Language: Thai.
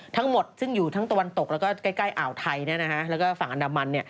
ทั้งหมดซึ่งอยู่ทั้งตะวันตกแล้วก็ใกล้อ่าวไทยแล้วก็ฝั่งอันดามัน